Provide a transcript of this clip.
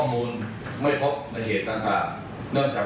วันที่๒๖มิถุนายนเวลาที่๑เมริกา